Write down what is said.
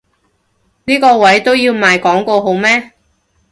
呢個位都要賣廣告好咩？